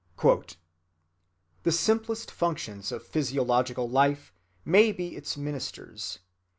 "The simplest functions of physiological life," he writes, "may be its ministers.